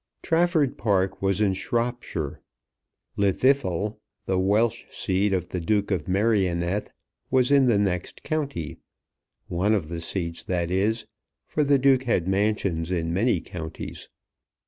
Trafford Park was in Shropshire. Llwddythlw, the Welsh seat of the Duke of Merioneth, was in the next county; one of the seats that is, for the Duke had mansions in many counties.